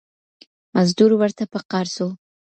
مزدور ورته په قار سو